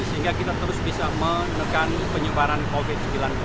sehingga kita terus bisa menekan penyebaran covid sembilan belas